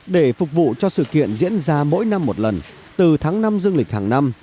để phục vụ cho sự kiện diễn ra mỗi năm một lần từ tháng năm dương lịch hàng năm